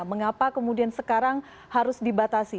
mengapa kemudian sekarang harus dibatasi